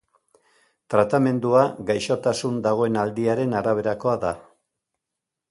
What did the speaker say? Tratamendua gaixotasun dagoen aldiaren araberakoa da.